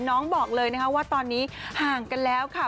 น้องบอกเลยนะคะว่าตอนนี้ห่างกันแล้วค่ะ